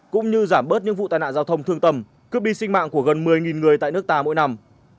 cũng như giảm bớt những vụ tai nạn giao thông thương tầm cướp đi sinh mạng của gần một mươi người tại nước ta mỗi năm